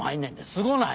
すごない？